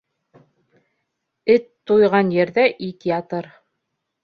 Эт туйған ерҙә ит ятыр.